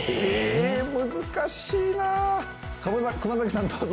難しいな。